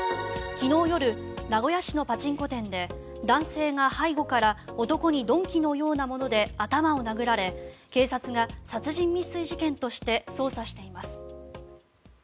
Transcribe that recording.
昨日夜、名古屋市のパチンコ店で男性が背後から男に鈍器のようなもので頭を殴られ警察が殺人未遂事件として捜査しています。